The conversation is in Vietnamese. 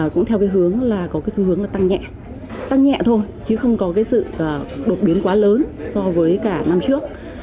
cũng theo hướng là có xu hướng tăng nhẹ tăng nhẹ thôi chứ không có sự đột biến quá lớn so với cả năm trước